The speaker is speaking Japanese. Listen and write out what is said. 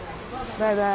バイバイ。